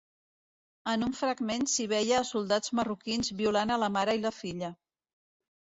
En un fragment s'hi veia a soldats marroquins violant a la mare i la filla.